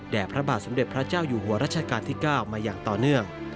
พระบาทสมเด็จพระเจ้าอยู่หัวรัชกาลที่๙มาอย่างต่อเนื่อง